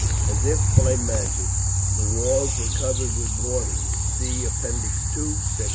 As if by magic, the walls were covered with warnings, (See App. II, Sect.